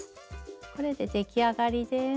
これで出来上がりです。